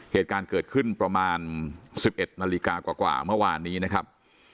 เหตุการณ์เกิดขึ้นประมาณ๑๑นาฬิกากว่าเมื่อวานนี้นะครับ